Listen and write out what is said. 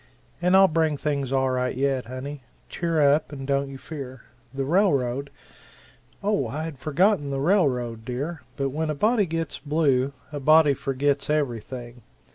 And I'll bring things all right yet, honey cheer up and don't you fear. The railroad " "Oh, I had forgotten the railroad, dear, but when a body gets blue, a body forgets everything.